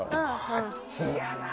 あっちやなぁ！